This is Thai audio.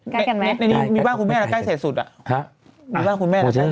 ใกล้กันไหมได้ในนี่มีบ้านคุณแม่ละใกล้เสร็จสุดอ่ะ